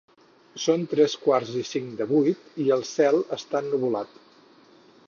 Són tres quarts i cinc de vuit i el cel està ennuvolat